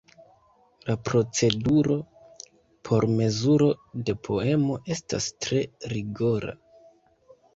La proceduro por mezuro de poemo estas tre rigora.